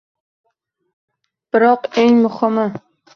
Biroq eng muhimi